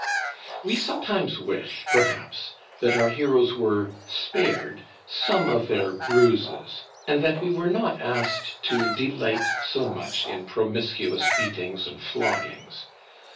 We sometimes wish, perhaps, that our heroes were spared some of their bruises, and that we were not asked to delight so much in promiscuous beatings and floggings.